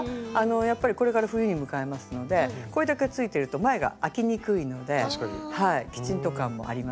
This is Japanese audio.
やっぱりこれから冬に向かいますのでこれだけついてると前があきにくいのできちんと感もありますね。